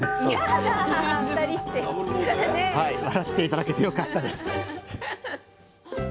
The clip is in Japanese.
笑って頂けてよかったです